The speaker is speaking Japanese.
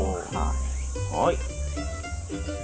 はい。